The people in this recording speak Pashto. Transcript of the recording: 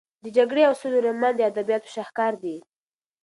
د جګړې او سولې رومان د ادبیاتو شاهکار دی.